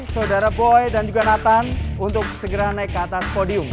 saudara boy dan juga nathan untuk segera naik ke atas podium